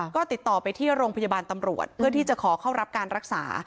ก็ติดต่อไปที่โรงพยาบาลตำรวจเพื่อที่จะขอเข้ารับการรักษา